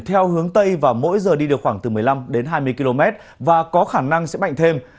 theo hướng tây và mỗi giờ đi được khoảng từ một mươi năm đến hai mươi km và có khả năng sẽ mạnh thêm